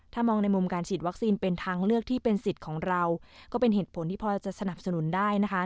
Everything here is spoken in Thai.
ถ้ามองในมุมการฉีดวัคซีนเป็นทางเลือกที่เป็นสิทธิ์ของเราก็เป็นเหตุผลที่พอจะสนับสนุนได้นะคะ